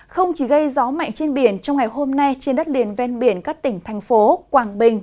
không chỉ gây gió mạnh trên biển trong ngày hôm nay trên đất liền ven biển các tỉnh thành phố quảng bình